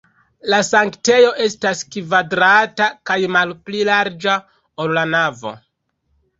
La sanktejo estas kvadrata kaj malpli larĝa, ol la navo.